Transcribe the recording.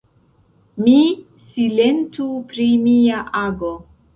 Mi silentu pri mia ago.